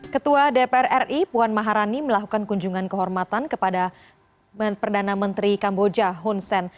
ketua dpr ri puan maharani melakukan kunjungan kehormatan kepada perdana menteri kamboja hun sen